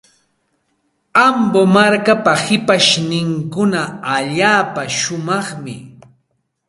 Ambo markapa shipashninkuna allaapa shumaqmi.